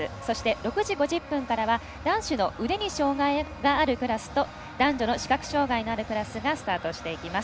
６時５０分からは男子の腕に障がいがあるクラスと男女の視覚障がいのあるクラスがスタートしていきます。